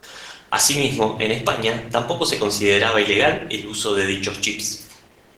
Asimismo, en España tampoco se consideraba ilegal el uso de dichos chips.